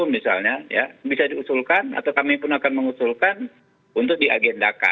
misalnya bisa diusulkan atau kami pun akan mengusulkan untuk diagendakan